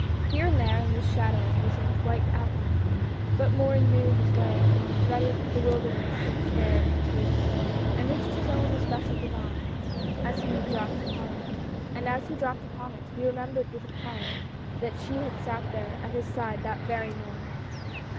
Here and there, in the shadow was a white outline, but Morin knew his way and he threaded the wilderness of chairs and tables, and reached his own especial divan; and as he dropped upon it, he remembered with a pang that she had sat there at his side that very morning.